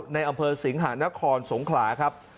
ในอำเภอสิงหานครสงขลาครับ